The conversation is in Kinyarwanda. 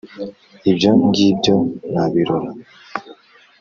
Ibyo ngibyo nabirora